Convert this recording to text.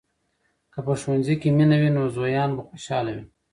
که په ښوونځي کې مینه وي، نو زویان به خوشحال وي.